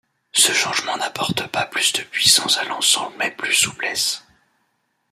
Ce changement n'apporte pas plus de puissance à l'ensemble mais plus souplesse.